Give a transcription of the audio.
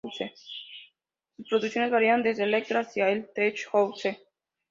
Sus producciones variaron desde el electro hacía al "tech house".